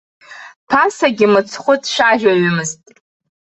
Ԥасагьы мыцхәы дцәажәаҩымызт.